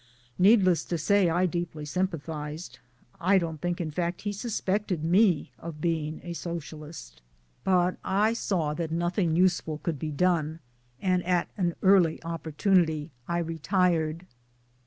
" Needless to say I deeply sympathized (I don't think in fact he suspected me of being a Socialist) MY DAYS AND DREAMS but I saw that nothing useful could be done, and at an early opportunity I retired.